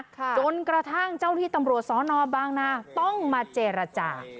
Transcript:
จนกระทั่งเจ้าที่ตำรวจสอนอบางนาต้องมาเจรจา